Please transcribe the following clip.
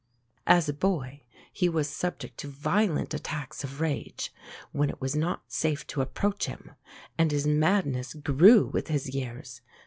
As a boy, he was subject to violent attacks of rage, when it was not safe to approach him; and his madness grew with his years.